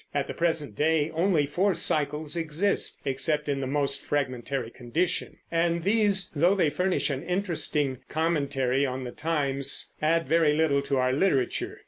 At the present day only four cycles exist (except in the most fragmentary condition), and these, though they furnish an interesting commentary on the times, add very little to our literature.